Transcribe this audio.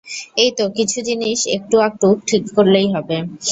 এই তো কিছু জিনিস একটু আকটু ঠিক করলেই হবে।